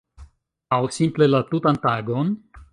Aŭ simple la tutan tagon?